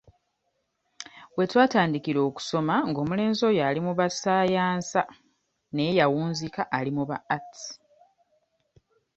Wetwatandikira okusoma ng'omulenzi oyo ali mu basaayansa naye yawunzika ali mu ba arts.